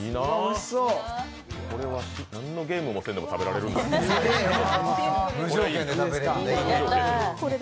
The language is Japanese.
これは何のゲームをせんでも食べられるんだ。